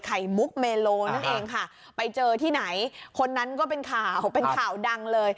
มุกเมโลนั่นเองค่ะไปเจอที่ไหนคนนั้นก็เป็นข่าวเป็นข่าวดังเลย